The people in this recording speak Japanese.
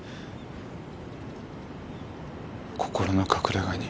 心の隠れ家に。